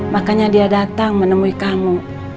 makanya dia datang menemui kamu